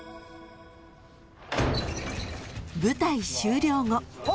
［舞台終了後］